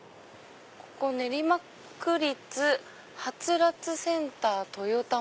ここ「練馬区立はつらつセンター豊玉」。